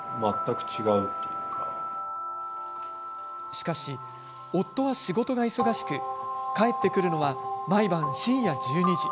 しかし、夫は仕事が忙しく帰ってくるのは毎晩深夜１２時。